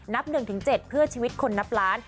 ๑๗เพื่อชีวิตคนนับล้าน